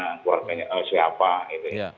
cek keluar rumahnya gimana keluarganya siapa gitu ya